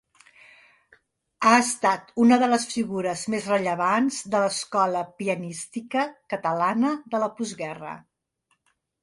Ha estat una de les figures més rellevants de l'escola pianística catalana de la postguerra.